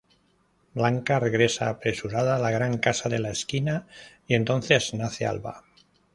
Blanca regresa apresurada a la Gran Casa de la Esquina, y entonces nace Alba.